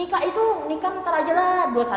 nikah itu nikah ntar aja lah